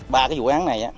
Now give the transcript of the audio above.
ba cái vụ án này